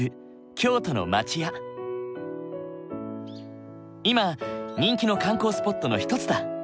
今人気の観光スポットの一つだ。